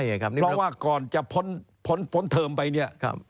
เพราะว่าก่อนจะพ้นเทอมไปเนี่ย